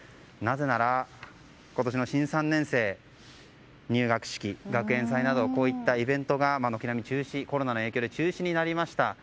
なぜなら、今年の新３年生は入学式、学園祭などこういったイベントが軒並みコロナの影響で中止になりました。